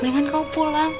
mendingan kamu pulang